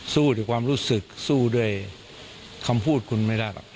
สู้ด้วยความรู้สึกสู้ด้วยคำพูดคุณไม่ได้หรอก